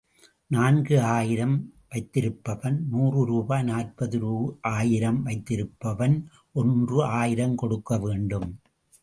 நான்கு ஆயிரம் வைத்திருப்பவன் நூறு ரூபாய், நாற்பது ஆயிரம் வைத்திருப்பவன் ஒன்று ஆயிரம் கொடுக்க வேண்டும்.